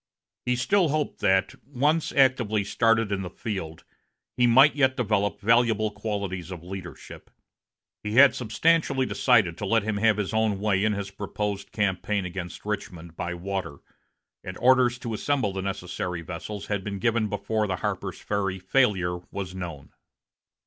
He still hoped that, once actively started in the field, he might yet develop valuable qualities of leadership. He had substantially decided to let him have his own way in his proposed campaign against Richmond by water, and orders to assemble the necessary vessels had been given before the Harper's Ferry failure was known.